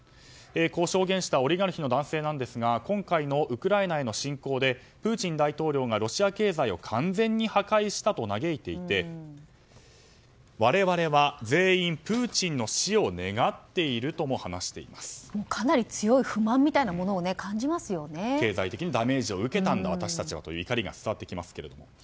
こう証言したオリガルヒの男性ですが今回のウクライナへの侵攻でプーチン大統領がロシア経済を完全に破壊したと嘆いていて、我々は全員プーチンの死を願っているともかなり強い不満みたいなものを経済的に私たちはダメージを受けたんだという怒りが伝わってきますけども。